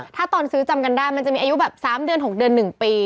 ถ้าตอนซื้อจำกันได้มันจะมีอายุแบบ๓เดือน๖เดือน๑ปี